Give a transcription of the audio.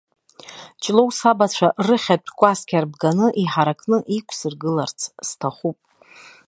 Ҷлоу сабацәа рыхьатә кәасқьа рбганы, иҳаракны иқәсыргыларц сҭахуп.